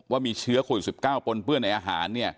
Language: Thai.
ว่ามีเชื้อโควิด๑๙ปนเปื้อนในอาหาร